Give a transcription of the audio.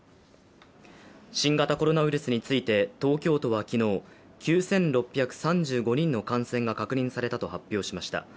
新型コロナウイルスについて東京都は昨日９６３５人の感染が確認されたと発表しました。